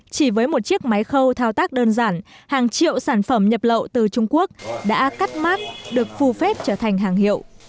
chỉ với một chiếc máy khâu thao tác đơn giản hàng triệu sản phẩm nhập lậu từ trung quốc đã cắt mắt được phù phép trở thành hàng hiệu